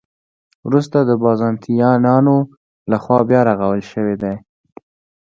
وروسته د بازنطینانو له خوا بیا رغول شوې دي.